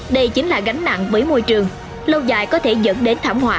đây chính là gánh nặng với môi trường lâu dài có thể dẫn đến thảm họa